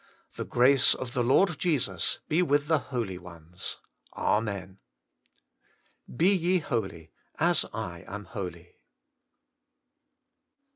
The grace of the Lord Jesus be with the holy ones. Amen.' B YE HOLY, AS I AM HOLY.